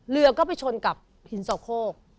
เรือก็ไปชนกับหินสอโคก